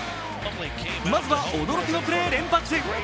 まずは驚きのプレー連発。